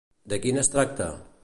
De quin es tracta?